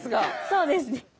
そうですね。